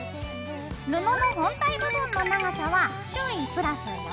布の本体部分の長さは周囲＋４ｃｍ。